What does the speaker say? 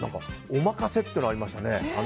お任せっていうのがありましたね。